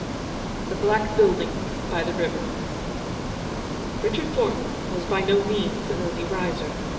THE BLACK BUILDING BY THE RIVER. Richard Thornton was by no means an early riser.